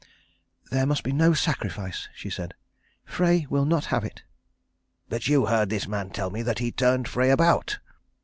"There must be no sacrifice," she said. "Frey will not have it." "But you heard this man tell me that he turned Frey about?"